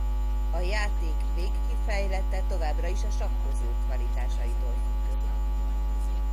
A játék végkifejlete továbbra is a sakkozó kvalitásaitól függött.